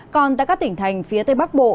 còn tại các tỉnh thành phía tây bắc bộ